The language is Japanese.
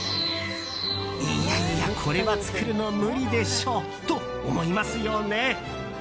いやいやこれは作るの無理でしょと思いますよね。